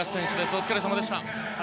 お疲れさまでした。